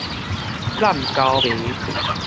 湳溝糜